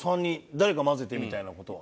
誰か交ぜてみたいな事は。